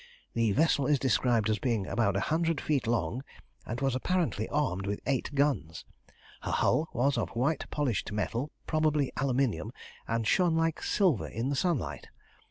The vessel is described as being about a hundred feet long, and was apparently armed with eight guns. Her hull was of white polished metal, probably aluminium, and shone like silver in the sunlight.